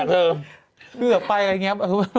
เหลือไปอะไรอย่างนี้